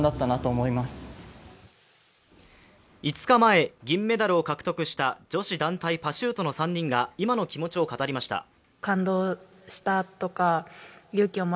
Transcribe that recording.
５日前、銀メダルを獲得した女子団体パシュートの３人が今の気持ちを語りました。